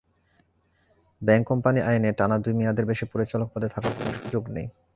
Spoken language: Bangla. ব্যাংক কোম্পানি আইনে টানা দুই মেয়াদের বেশি পরিচালক পদে থাকার কোনো সুযোগ নেই।